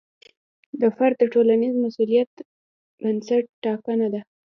د فرد د ټولنیز مسوولیت بنسټ ټاکنه ده.